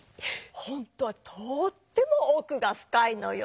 ほんとはとってもおくがふかいのよ。